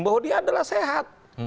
bahwa dia adalah sehat